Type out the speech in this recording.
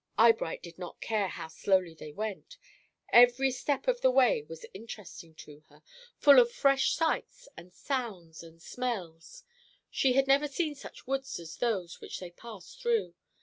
Eyebright did not care how slowly they went. Every step of the way was interesting to her, full of fresh sights and sounds and smells. She had never seen such woods as those which they passed through.